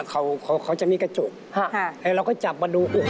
เขาจะมีกระจกแล้วเราก็จับมาดูโอ้โฮ